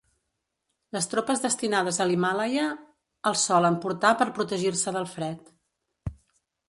Les tropes destinades a l'Himàlaia els solen portar per protegir-se del fred.